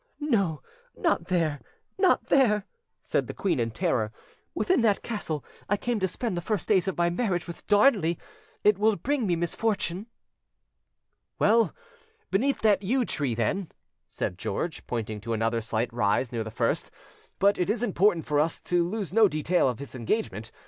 "No, not there! not there!" said the queen in terror: "within that castle I came to spend the first days of my marriage with Darnley; it will bring me misfortune." "Well, beneath that yew tree, then," said George, pointing to another slight rise near the first; "but it is important for us to lose no detail of this engagement.